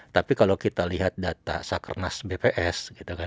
tapi kalau kita lihat data sakernas bps